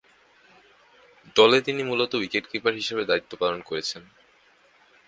দলে তিনি মূলতঃ উইকেট-কিপার হিসেবে দায়িত্ব পালন করেছেন।